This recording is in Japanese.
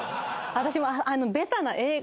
私も。